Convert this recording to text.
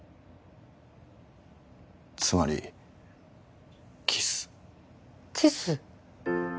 つまりキスキス？